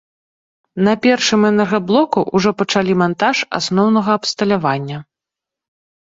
На першым энергаблоку ўжо пачалі мантаж асноўнага абсталявання.